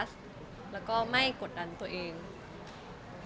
แฟนคลับของคุณไม่ควรเราอะไรไง